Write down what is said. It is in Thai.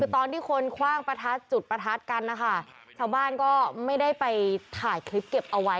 คือตอนที่คนคว่างประทัดจุดประทัดกันนะคะชาวบ้านก็ไม่ได้ไปถ่ายคลิปเก็บเอาไว้